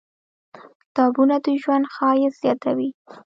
• کتابونه، د ژوند ښایست زیاتوي.